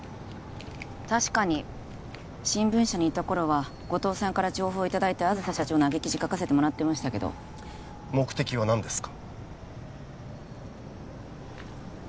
確かに新聞社にいた頃は後藤さんから情報いただいて梓社長のアゲ記事書かせてもらってましたけど目的は何ですか？